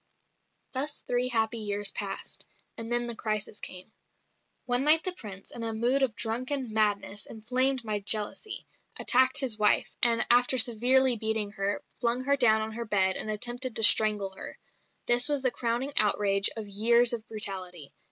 Thus three happy years passed; and then the crisis came. One night the Prince, in a mood of drunken madness, inflamed by jealousy, attacked his wife, and, after severely beating her, flung her down on her bed and attempted to strangle her. This was the crowning outrage of years of brutality.